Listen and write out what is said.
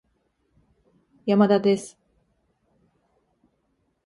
山田です